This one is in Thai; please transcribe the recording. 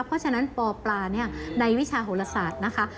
เพราะฉะนั้นปลาเนี่ยในวิชาโหระศาสตร์นะคะ